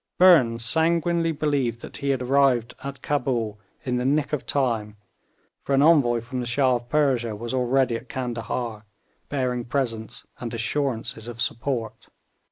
Burnes sanguinely believed that he had arrived at Cabul in the nick of time, for an envoy from the Shah of Persia was already at Candahar, bearing presents and assurances of support.